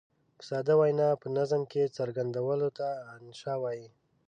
په ساده وینا په نظم کې څرګندولو ته انشأ وايي.